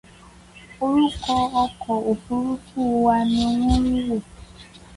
Orúkọ ọkọ̀ òfurufú wa ni wón wọ̀.